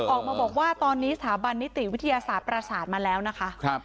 ออกมาบอกว่าตอนนี้สถาบันนิติวิทยาศาสตร์ประสานมาแล้วนะคะ